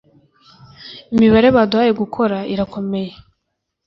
imibare baduhaye gukora irakomeye